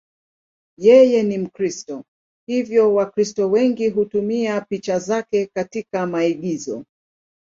Yeye ni Mkristo, hivyo Wakristo wengi hutumia picha zake katika maigizo.